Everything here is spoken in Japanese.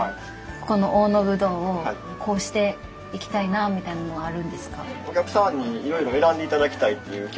この大野ぶどうをこうしていきたいなみたいなのはあるんですか？